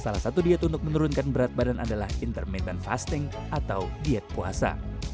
salah satu diet untuk menurunkan berat badan adalah intermittent fasting atau diet puasa